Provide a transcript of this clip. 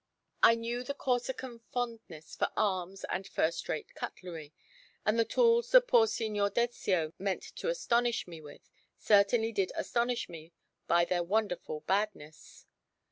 I knew the Corsican fondness for arms and first rate cutlery; and the tools the poor Signor Dezio meant to astonish me with, certainly did astonish me by their wonderful badness.